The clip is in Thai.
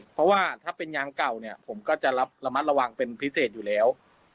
เพราะว่าถ้าเป็นยางเก่าเนี่ยผมก็จะรับระมัดระวังเป็นพิเศษอยู่แล้ว